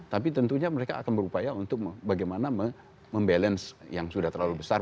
tapi tentunya mereka akan berupaya untuk bagaimana membalance yang sudah terlalu besar